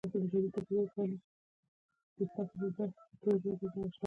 دښمن ته مه مسکېږه